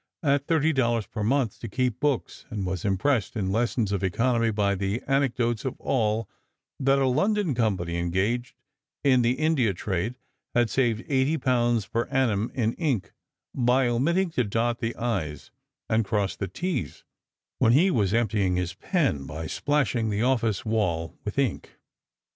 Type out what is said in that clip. at $30 per month, to keep books, and was impressed in lessons of economy by the anecdotes of Aull that a London company engaged in the India trade had saved £80 per annum in ink by omitting to dot the "i's" and cross the "t's," when he was emptying his pen by splashing the office wall with ink.